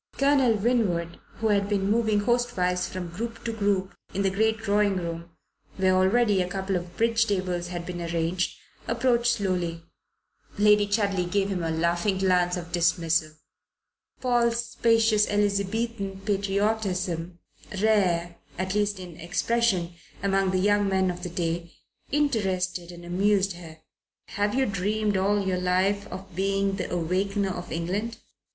Colonel Winwood, who had been moving hostwise from group to group in the great drawing room, where already a couple of bridge tables had been arranged, approached slowly. Lady Chudley gave him a laughing glance of dismissal. Paul's spacious Elizabethan patriotism, rare at least in expression among the young men of the day, interested and amused her. "Have you dreamed all your life of being the Awakener of England?"